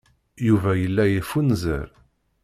Yuba yella yeffunzer.